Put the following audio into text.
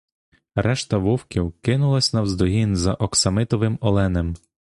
Решта вовків кинулась навздогін за оксамитовим оленем.